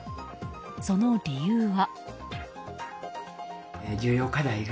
その理由は。